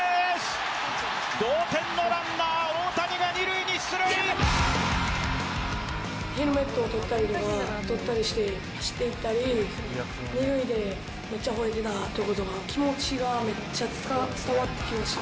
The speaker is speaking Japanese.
同点のランナー、ヘルメットを取ったりとか、取ったりして走っていったり、２塁でめっちゃ吠えてたところとか、気持ちがめっちゃ伝わってきました。